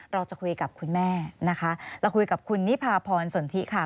เราจะคุยกับคุณแม่นะคะเราคุยกับคุณนิพาพรสนทิค่ะ